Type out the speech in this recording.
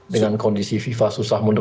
dengan kondisi fifa susah mundur